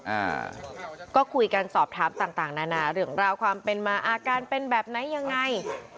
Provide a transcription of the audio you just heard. อ่าก็คุยกันสอบถามต่างต่างนานาเรื่องราวความเป็นมาอาการเป็นแบบไหนยังไง